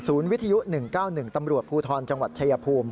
วิทยุ๑๙๑ตำรวจภูทรจังหวัดชายภูมิ